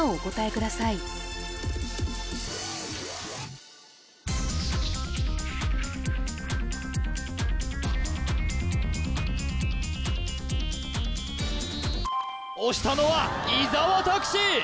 ください押したのは伊沢拓司